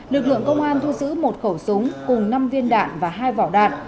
lực lượng công an thu giữ một khẩu súng cùng năm viên đạn và hai vỏ đạn